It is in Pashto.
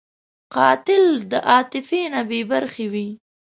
قاتل د عاطفې نه بېبرخې وي